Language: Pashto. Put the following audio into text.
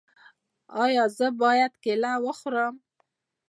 ایا زه باید کیله وخورم؟